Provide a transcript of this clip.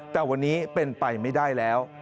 แต่วันนี้เป็นไปไม่ได้แล้ว